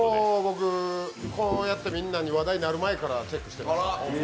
僕、こうやってみんなに話題になる前からチェックしてました。